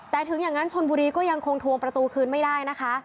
แต่ถึงอย่างนั้นชนบุรีก็ยังคงทวงประตูคืนไม่ได้นะคะ